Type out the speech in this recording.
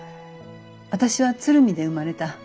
私は鶴見で生まれた。